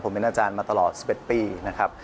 ผมเป็นอาจารย์มาตลอด๑๑ปีนะครับ